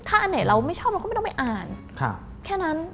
ถ้าอันไหนเราไม่ชอบเราก็ไม่ต้องไปอ่านแค่นั้น